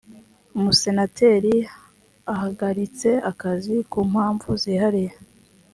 umusenateri ahagaritse akazi ku mpamvu zihariye